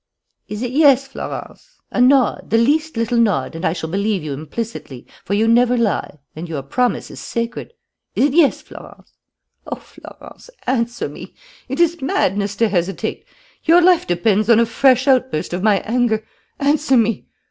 "Is it yes, Florence? A nod, the least little nod, and I shall believe you implicitly, for you never lie and your promise is sacred. Is it yes, Florence? Oh, Florence, answer me! It is madness to hesitate. Your life depends on a fresh outburst of my anger. Answer me!